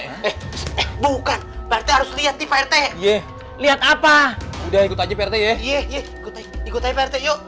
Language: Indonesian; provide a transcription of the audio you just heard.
eh bukan pak rt harus lihat nih pak rt iya lihat apa oda ikut aja pak rt ya iya ikut aja pak rt yuk